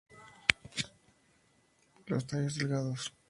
Los tallos delgados.